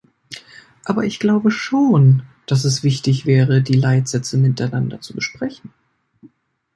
Aber ich glaube schon, dass es wichtig wäre, die Leitsätze miteinander zu besprechen.